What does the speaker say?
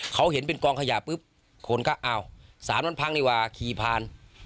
เขาเห็นเป็นกองขยะปุ๊บคนก็อ้าวสารมันพังดีกว่าขี่ผ่าน